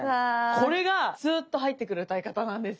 これがスーッと入ってくる歌い方なんですよね。へ。